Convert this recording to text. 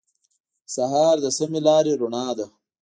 سهار د سمې لارې رڼا ده.